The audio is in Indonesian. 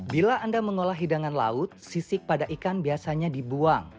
bila anda mengolah hidangan laut sisik pada ikan biasanya dibuang